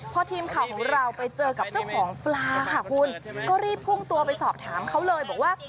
พอทีมข่าวของเราไปเจอกับเจ้าของปลาค่ะคุณก็รีบพุ่งตัวไปสอบถามเขาเลยบอกว่า